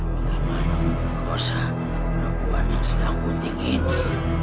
bagaimana memperkosa perempuan yang sedang bunting ini